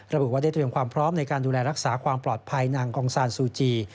ระบุว่าได้เตรียมความพร้อมในการดูแลรักษาความปลอดภัยนางกองซานซูจี